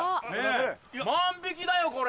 万引だよこれ！